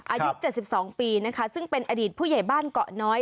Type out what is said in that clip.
อายุ๗๒ปีนะคะซึ่งเป็นอดีตผู้ใหญ่บ้านเกาะน้อย